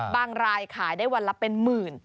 รายขายได้วันละเป็นหมื่น